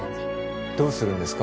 どうするんですか？